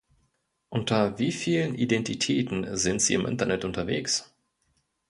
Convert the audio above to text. Unter wie vielen Identitäten sind Sie im Internet unterwegs?